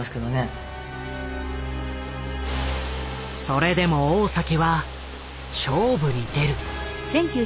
それでも大は勝負に出る。